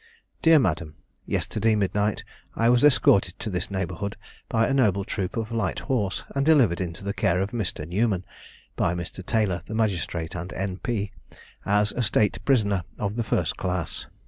"DEAR MADAM, Yesterday midnight I was escorted to this neighbourhood by a noble troop of Light Horse, and delivered into the care of Mr. Newman (by Mr. Taylor, the magistrate, and M. P.) as a state prisoner of the first class.